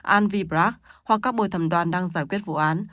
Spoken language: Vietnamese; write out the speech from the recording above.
alan v brack hoặc các bồi thẩm đoàn đang giải quyết vụ án